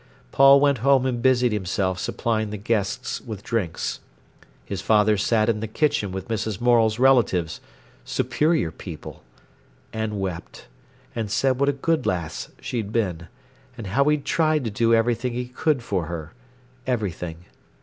Paul went home and busied himself supplying the guests with drinks. His father sat in the kitchen with Mrs. Morel's relatives, "superior" people, and wept, and said what a good lass she'd been, and how he'd tried to do everything he could for her—everything.